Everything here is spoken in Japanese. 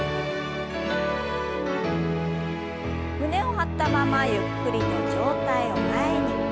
胸を張ったままゆっくりと上体を前に。